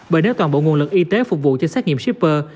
bởi nếu toàn bộ nguồn lực y tế phục vụ cho xét nghiệm shipper